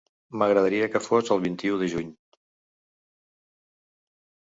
M'agradaria que fos el vint-i-u de juny.